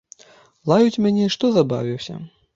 Лаюць мяне, што забавіўся.